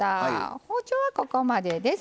包丁はここまでです。